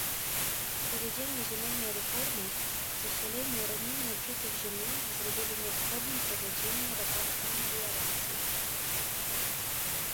Правядзенне зямельнай рэформы, засяленне раней неабжытых зямель зрабілі неабходным правядзенне работ па меліярацыі.